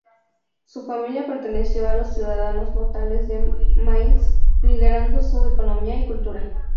Su familia perteneció a los ciudadanos notables de Mainz, liderando su economía y cultura.